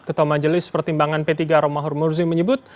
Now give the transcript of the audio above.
ketua majelis pertimbangan p tiga romahur murzi menyebut